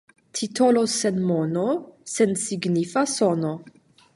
Titolo sen mono — sensignifa sono.